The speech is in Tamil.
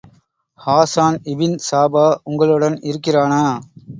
ஹாசான் இபின் சாபா உங்களுடன் இருக்கிறானா?